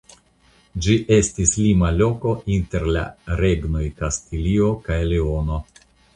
Ĝi estis lima loko inter la regnoj Kastilio kaj Leono.